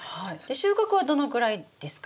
収穫はどのくらいですか？